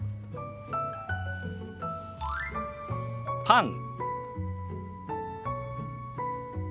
「パン」。